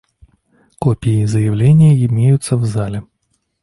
Копии заявления имеются в зале.